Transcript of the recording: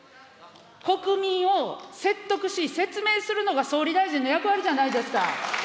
国民を説得し、説明するのが総理大臣の役割じゃないですか。